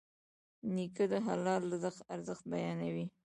نیکه د حلال رزق ارزښت بیانوي.